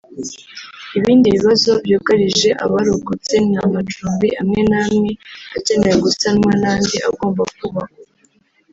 Ibindi bibazo byugarije abarokotse ni amacumbi amwe n’amwe akenewe gusanwa n’andi agomba kubakwa